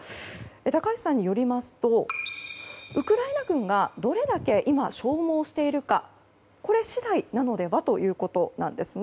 高橋さんによりますとウクライナ軍がどれだけ今、消耗しているかこれ次第なのではということなんです。